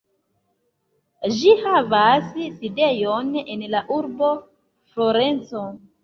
Ĝi havas sidejon en la urbo Florenco.